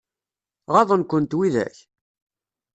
Ɣaḍen-kent widak?